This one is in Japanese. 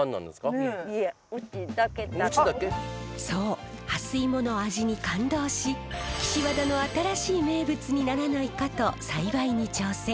そうハスイモの味に感動し岸和田の新しい名物にならないかと栽培に挑戦。